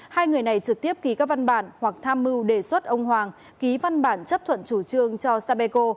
hai người này trực tiếp ký các văn bản hoặc tham mưu đề xuất ông hoàng ký văn bản chấp thuận chủ trương cho sapeco